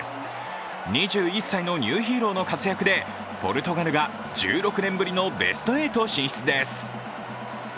２１歳のニューヒーローの活躍でポルトガルが１６年ぶりのベスト８進出です。